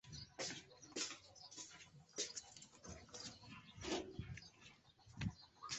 忽必烈的所做所为无疑引起了阿里不哥子孙和漠北守旧的蒙古贵族的仇恨。